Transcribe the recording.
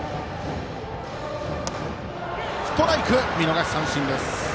ストライク、見逃し三振です。